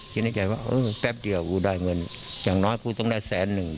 คิดในใจว่าเออแป๊บเดียวกูได้เงินอย่างน้อยกูต้องได้แสนหนึ่ง